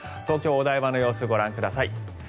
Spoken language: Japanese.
東京・お台場の様子ご覧ください。